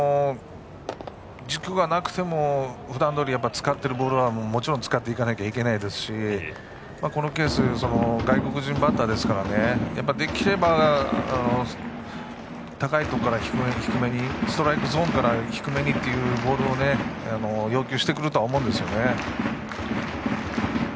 軸がなくても、普段どおり使っているボールは使っていかなきゃいけないですしここは外国人バッターですからできれば高いところから低めに低めにストライクゾーンから低めにというボールを要求してくるとは思います。